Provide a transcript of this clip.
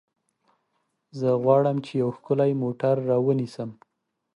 زه غواړم چې یو ښکلی موټر رانیسم.